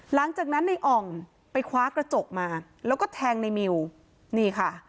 หลังจากนั้นในอ่องไปคว้ากระจกมาแล้วก็แทงในมิวนี่ค่ะ